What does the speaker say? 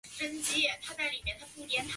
细胞焦亡通常比细胞凋亡发生的更快。